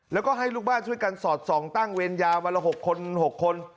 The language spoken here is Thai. แล้วก็ให้ลูกบ้านช่วยกันสอดส่องตั้งเวรยาวันละ๖คน๖คน